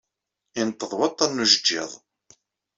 Ineṭṭeḍ waṭṭan n ujeǧǧiḍ.